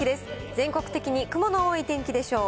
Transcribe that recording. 全国的に雲の多い天気でしょう。